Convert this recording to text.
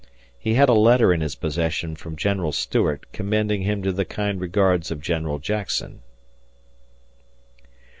He had a letter in his possession from General Stuart commending him to the kind regards of General Jackson.